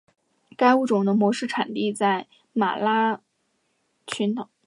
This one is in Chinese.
该物种的模式产地在马德拉群岛。